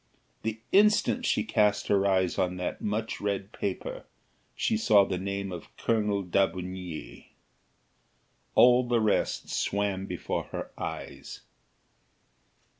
The instant she cast her eyes on that much read paper, she saw the name of Colonel D'Aubigny; all the rest swam before her eyes.